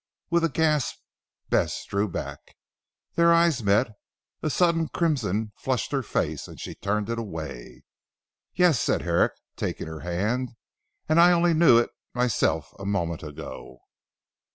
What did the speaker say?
With a gasp Bess drew back. Their eyes met. A sudden crimson flushed her face, and she turned it away. "Yes," said Herrick taking her hand, "and I only knew it myself a moment ago."